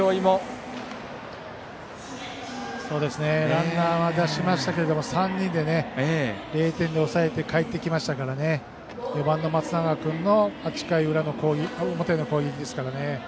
ランナーは出しましたけど３人で０点で抑えて帰ってきましたから４番の松永君の８回表の攻撃ですからね。